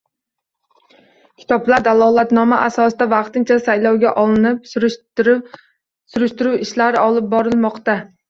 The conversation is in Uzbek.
Kitoblar dalolatnoma asosida vaqtincha saqlovga olinib, surishtiruv ishlari olib borilmoqda